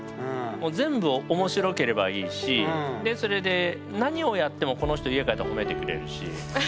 もう全部面白ければいいしでそれで何をやってもこの人家帰ったら褒めてくれるし。